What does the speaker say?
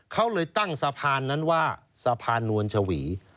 เขาเลยตั้งสะพานนั้นว่าสะพานนวลชวี